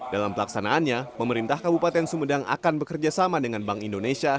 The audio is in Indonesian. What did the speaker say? dalam pelaksanaannya pemerintah kabupaten sumedang akan bekerjasama dengan bank indonesia